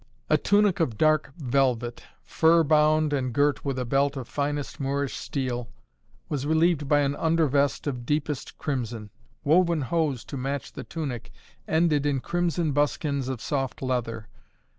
A tunic of dark velvet, fur bound and girt with a belt of finest Moorish steel, was relieved by an undervest of deepest crimson. Woven hose to match the tunic ended in crimson buskins of soft leather.